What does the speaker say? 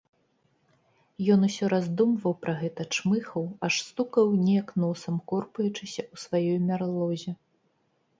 Ён усё раздумваў пра гэта, чмыхаў, аж стукаў неяк носам, корпаючыся ў сваёй мярлозе.